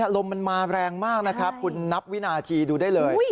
ลมมันมาแรงมากนะครับคุณนับวินาทีดูได้เลย